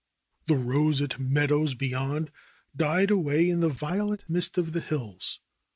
The roseate meadows beyond died away in the violet mist of the hills.